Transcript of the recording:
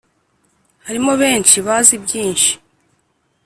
harimo benshi bazi byinshi